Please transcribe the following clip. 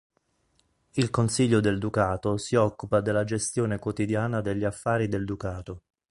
Il consiglio del ducato si occupa della gestione quotidiana degli affari del ducato.